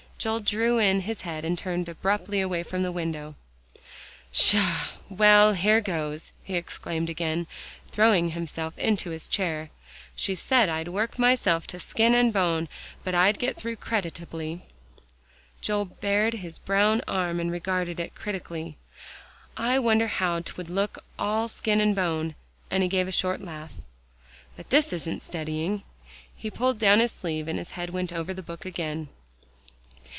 Joel drew in his head and turned abruptly away from the window. "Pshaw! well, here goes," he exclaimed again, throwing himself into his chair. "She said, 'I'd work myself to skin and bone but I'd get through creditably.'" Joel bared his brown arm and regarded it critically. "I wonder how 'twould look all skin and bone," and he gave a short laugh. "But this isn't studying." He pulled down his sleeve, and his head went over the book again.